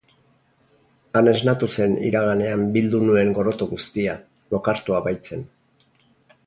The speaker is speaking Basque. Han esnatu zen iraganean bildu nuen gorroto guztia, lokartua baitzen.